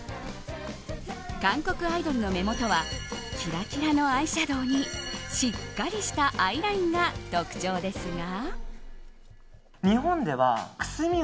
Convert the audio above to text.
韓国アイドルの目元はキラキラのアイシャドーにしっかりしたアイラインが特徴ですが。